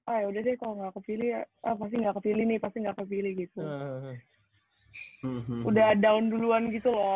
ah yaudah deh kalo gak kepilih pasti gak kepilih nih pasti gak kepilih gitu udah down duluan gitu loh